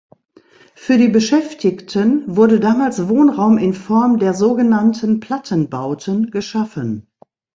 Für die Beschäftigten wurde damals Wohnraum in Form der so genannten „Plattenbauten“ geschaffen.